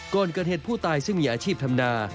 โกลเกินเหตุผู้ตายซึ่งมีอาชีพทำนา